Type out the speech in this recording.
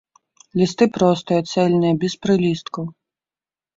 Лісты простыя, цэльныя, без прылісткаў.